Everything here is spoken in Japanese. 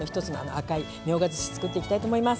赤いみょうがずしを作っていきたいと思います。